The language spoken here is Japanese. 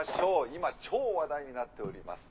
今超話題になっております。